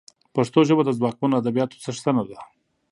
پښتو ژبه د ځواکمنو ادبياتو څښتنه ده